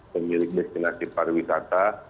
pemilik destinasi para wisata